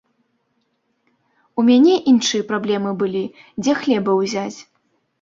У мяне іншыя праблемы былі, дзе хлеба ўзяць.